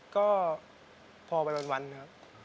ก็พอไปวันนะครับ